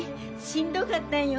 しんどかったんよ。